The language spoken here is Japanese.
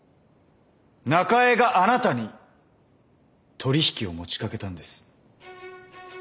中江があなたに取り引きを持ちかけたんです。